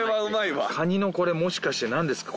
カニのもしかして何ですか？